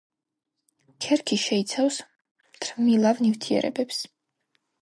ქერქი შეიცავს მთრიმლავ ნივთიერებებს.